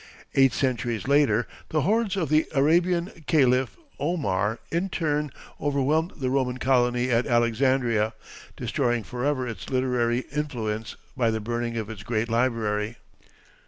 Eight centuries later the hordes of the Arabian Caliph Omar in turn overwhelmed the Roman colony at Alexandria, destroying forever its literary influence by the burning of its great library.